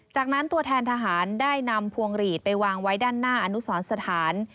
จากนั้นตัวแทนทหารได้นำพวงหลีดไปวางไว้ด้านหน้าอนุสรสถาน